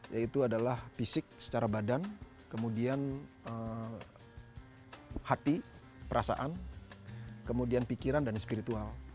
yaitu adalah fisik secara badan kemudian hati perasaan kemudian pikiran dan spiritual